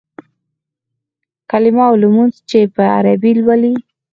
کلیمه او لمونځ چې په عربي لولې.